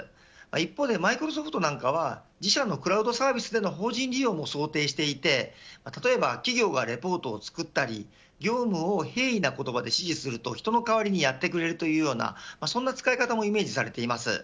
一方で、マイクロソフトなんかは自社のクラウドサービスでの法人利用も想定していて例えば企業がレポートを作ったり業務を平易な言葉で指示すると人の代わりにやってくれるというようなそんな使い方もイメージされています。